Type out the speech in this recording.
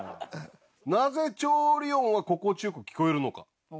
なぜ調理音は心地よく聞こえるのか。